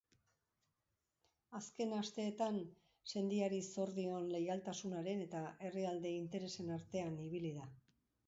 Azken asteetan, sendiari zor dion leialtasunaren eta herrialde interesen artean ibili da.